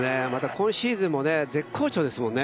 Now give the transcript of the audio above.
今シーズンも絶好調ですもんね。